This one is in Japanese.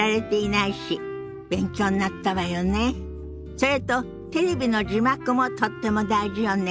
それとテレビの字幕もとっても大事よね。